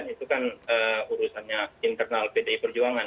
itu kan urusannya internal pdi perjuangan